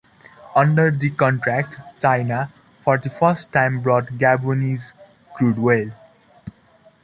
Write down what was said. Under the contract China, for the first time, bought Gabonese crude oil.